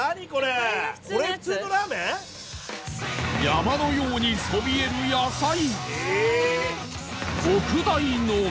山のようにそびえる野菜